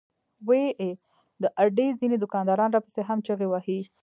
وې ئې " د اډې ځنې دوکانداران راپسې هم چغې وهي